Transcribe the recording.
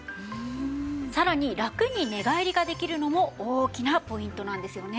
さらにラクに寝返りができるのも大きなポイントなんですよね。